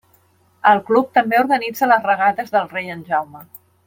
El club també organitza les regates del Rei en Jaume.